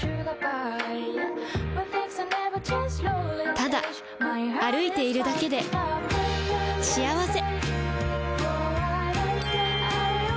ただ歩いているだけで幸せ